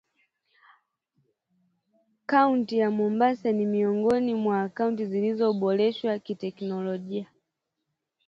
kaunti ya Mombasa ni miongoni mwa kaunti zilizoboreka kiteknologia